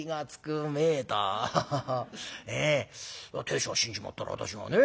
亭主が死んじまったら私がね